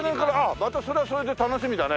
またそれはそれで楽しみだね。